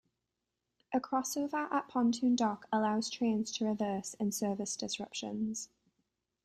A crossover at Pontoon Dock allows trains to reverse in service disruptions.